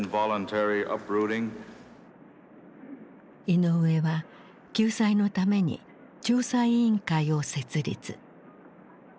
イノウエは救済のために調査委員会を設立。